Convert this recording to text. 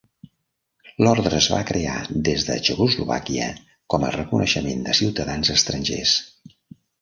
L'ordre es va crear des de Txecoslovàquia com a reconeixement de ciutadans estrangers.